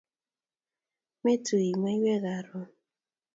Metuii maywek koron